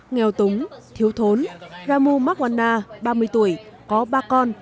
nghèo túng thiếu thốn ramu marwanna ba mươi tuổi có ba con